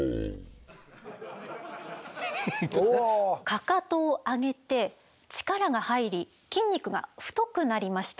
かかとを上げて力が入り筋肉が太くなりました。